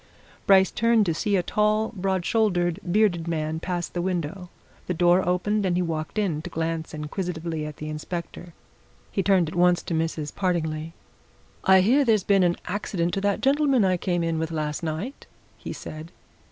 Bryce turned to see a tall, broad shouldered, bearded man pass the window the door opened and he walked in, to glance inquisitively at the inspector. He turned at once to Mrs. Partingley. "I hear there's been an accident to that gentleman I came in with last night?" he said.